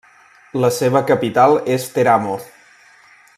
La seva capital és Teramo.